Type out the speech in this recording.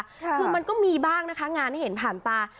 คือมันก็มีบ้างนะคะงานให้เห็นผ่านตา